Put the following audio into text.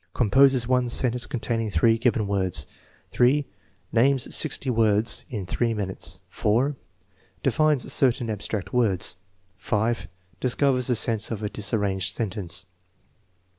Composes otic .sentence containing three given words. 3. Names sixty words in three minutes* 4. Defines certain abstract words. ft, Discovers the sense of a disarranged sentence.